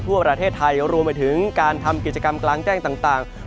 ทั่วประเทศไทยรวมไปถึงการทำกิจกรรมกลางแจ้งต่าง